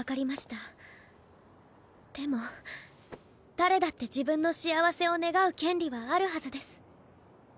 誰だって自分の幸せを願う権利はあるはずです